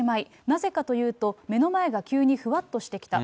なぜかというと、目の前が急にふわっとしてきた。